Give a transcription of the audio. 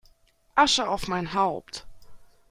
Asche auf mein Haupt!